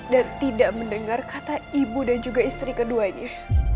tidak mendengar kata ibu dan juga istri keduanya